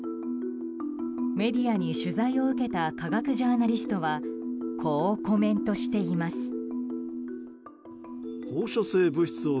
メディアに取材を受けた科学ジャーナリストはこうコメントしています。